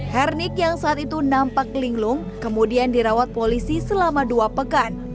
hernik yang saat itu nampak linglung kemudian dirawat polisi selama dua pekan